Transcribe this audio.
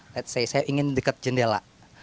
let's say saya ingin dekat jendela